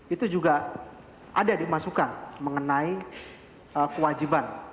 itu juga ada dimasukkan mengenai kewajiban